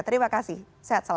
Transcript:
terima kasih sehat selalu